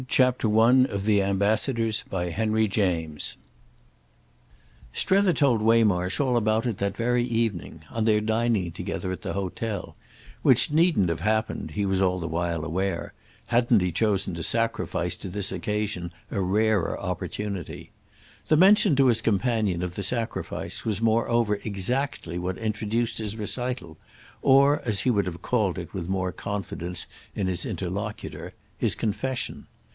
However, he would tell him all about it. Book Third I Strether told Waymarsh all about it that very evening, on their dining together at the hotel; which needn't have happened, he was all the while aware, hadn't he chosen to sacrifice to this occasion a rarer opportunity. The mention to his companion of the sacrifice was moreover exactly what introduced his recital—or, as he would have called it with more confidence in his interlocutor, his confession.